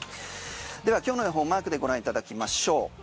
では今日の予報マークでご覧いただきましょう。